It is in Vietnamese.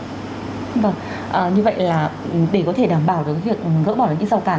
như vậy là để có thể đảm bảo được việc gỡ bỏ những dầu càn